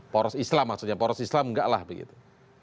poros islam maksudnya poros islam enggak lah begitu